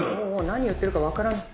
何を言ってるか分からん。